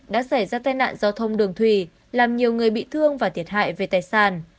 đã xảy ra tai nạn giao thông đường thủy làm nhiều người bị thương và thiệt hại về tài sản